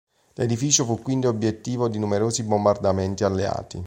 L'edificio fu quindi obiettivo di numerosi bombardamenti alleati.